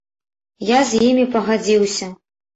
Я з імі пагадзіўся.